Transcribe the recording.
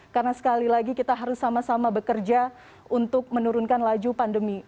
karena sekali lagi kita harus sama sama bekerja untuk menurunkan laju pandemi